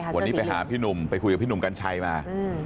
วันนี้ไปหาพี่หนุ่มไปคุยกับพี่หนุ่มกัญชัยมา